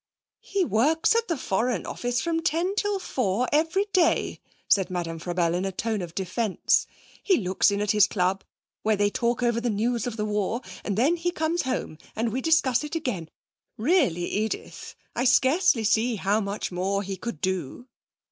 'He works at the Foreign Office from ten till four every day,' said Madame Frabelle in a tone of defence; 'he looks in at his club, where they talk over the news of the war, and then he comes home and we discuss it again.... Really, Edith, I scarcely see how much more he could do!'